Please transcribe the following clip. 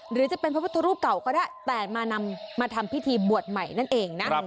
หรือจะเป็นพระพุทธรูปเก่าก็ได้แต่มานำมาทำพิธีบวชใหม่นั่นเองนะ